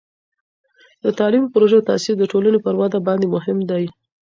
د تعلیمي پروژو تاثیر د ټولني پر وده باندې مهم دی.